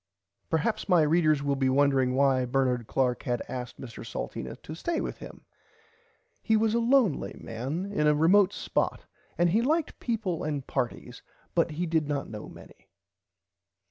Perhaps my readers will be wondering why Bernard Clark had asked Mr Salteena to stay with him. He was a lonely man in a remote spot and he liked peaple and partys but he did not know many.